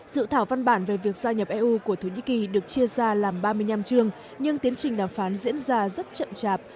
dự thảo văn bản về việc gia nhập eu của thổ nhĩ kỳ được chia ra làm ba mươi năm chương nhưng tiến trình đàm phán diễn ra rất chậm chạp